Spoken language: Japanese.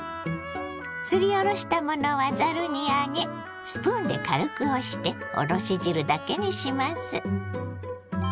すりおろしたものはざるに上げスプーンで軽く押しておろし汁だけにします。